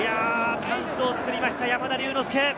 チャンスを作りました、山田龍之介。